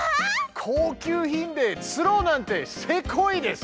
高級品でつろうなんてセコイです。